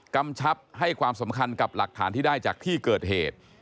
กำชับให้ความสำคัญกับหลักฐานที่ได้จากที่เกิดเหตุ